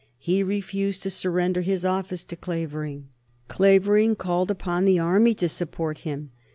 He refused to surrender his office to Clavering. Clavering called upon the army to support him.